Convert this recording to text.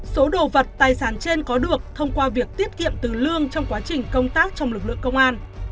số đồ vật tài sản trên có được thông qua việc tiết kiệm từ lương trong quá trình công tác trong lực lượng công an